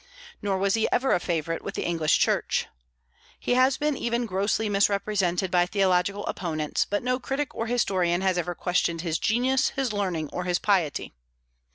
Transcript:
Nor was he ever a favorite with the English Church. He has been even grossly misrepresented by theological opponents; but no critic or historian has ever questioned his genius, his learning, or his piety.